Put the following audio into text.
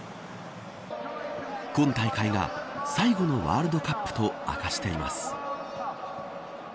今大会が最後のワールドカップと明かしています。